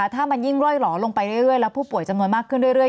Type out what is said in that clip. ถ้ามันยิ่งร่อยหล่อลงไปเรื่อยแล้วผู้ป่วยจำนวนมากขึ้นเรื่อย